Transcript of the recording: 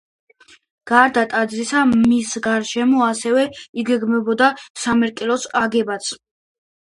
გარდა ტაძრისა მის გარშემო ასევე იგეგმებოდა სამრეკლოს აგებაც.